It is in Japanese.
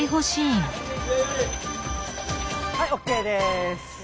はいＯＫです。